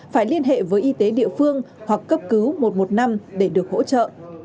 phải liên hệ với y tế địa phương hoặc cấp cứu một một năm để được hỗ trợ